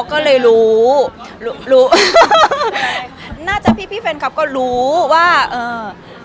ก็เลยรู้รู้รู้น่าจะพี่เฟนครับก็รู้ว่าเอ่อเอ่อ